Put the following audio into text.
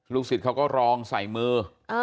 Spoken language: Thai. ศิษย์เขาก็รองใส่มือ